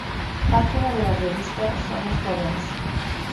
Página de la revista Somos Jóvenes